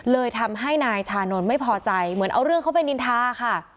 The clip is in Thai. เลยทำให้นายชานนท์ไม่พอใจเหมือนเอาเรื่องเข้าไปนินทาค่ะ